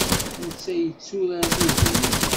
Netta yetturar dihin.